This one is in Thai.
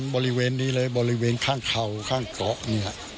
บริเวณนี้เลยบริเวณข้างเข่าข้างเกาะเนี่ย